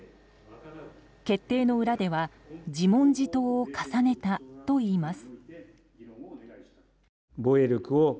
決定の裏では自問自答を重ねたといいます。